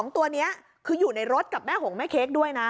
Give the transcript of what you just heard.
ตัวนี้คืออยู่ในรถกับแม่หงแม่เค้กด้วยนะ